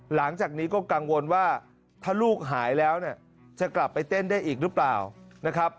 หลังจากนี้ก็กังวลว่าถ้าลูกหายแล้วเนี่ยจะกลับไปเต้นได้อีกหรือเปล่านะครับ